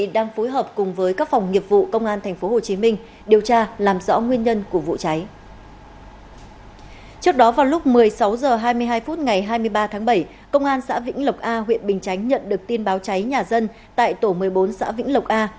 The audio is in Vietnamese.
trước đó vào lúc một mươi sáu h hai mươi hai phút ngày hai mươi ba tháng bảy công an xã vĩnh lộc a huyện bình chánh nhận được tin báo cháy nhà dân tại tổ một mươi bốn xã vĩnh lộc a